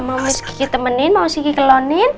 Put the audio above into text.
mau sikiki temenin mau sikiki kelonin